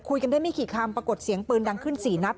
กันได้ไม่กี่คำปรากฏเสียงปืนดังขึ้น๔นัด